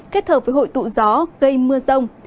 kết hợp với hội tụ gió gây mưa rông